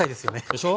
でしょ。